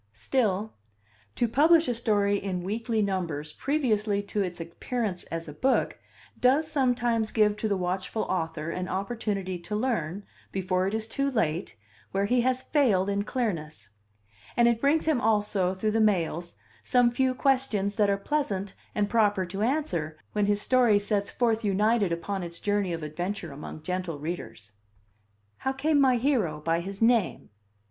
Still, to publish a story in weekly numbers previously to its appearance as a book does sometimes give to the watchful author an opportunity to learn, before it is too late, where he has failed in clearness; and it brings him also, through the mails, some few questions that are pleasant and proper to answer when his story sets forth united upon its journey of adventure among gentle readers. How came my hero by his name?